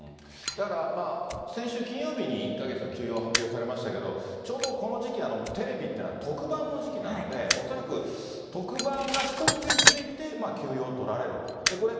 だから、先週金曜日に１か月の休養を発表されましたけれども、ちょうどこの時期、テレビってのは特番の時期なので、恐らく特番が一区切りついて、休養を取られる。